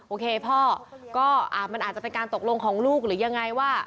โอเคพ่อก็มันอาจจะเป็นการตกลงของลูกหรือยังไงว่า